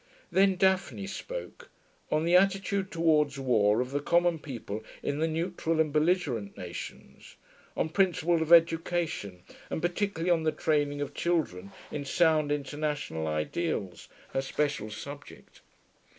Then Daphne spoke, on the attitude towards war of the common people in the neutral and belligerent nations, on principles of education, and particularly on the training of children in sound international ideals her special subject.